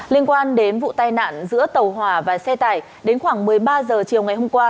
liên quan đến vụ tai nạn giữa tàu hỏa và xe tải đến khoảng một mươi ba h chiều ngày hôm qua